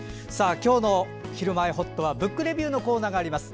今日の「ひるまえほっと」は「ブックレビュー」のコーナーがあります。